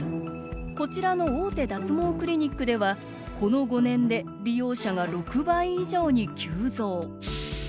こちらの大手脱毛クリニックではこの５年で利用者が６倍以上に急増。